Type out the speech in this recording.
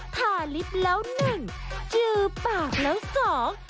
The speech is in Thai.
ทาลิฟต์แล้วหนึ่งจือปากแล้วสอง